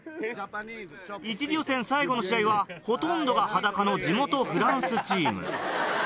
一次予選最後の試合はほとんどが裸の地元フランスチーム。